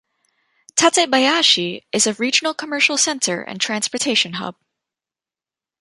Tatebayashi is a regional commercial center and transportation hub.